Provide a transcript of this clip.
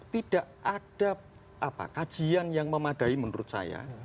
tidak ada kajian yang memadai menurut saya